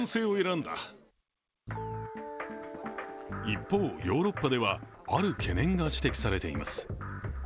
一方、ヨーロッパではある懸念が指摘されています。